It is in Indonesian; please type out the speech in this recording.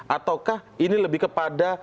ataukah ini lebih kepada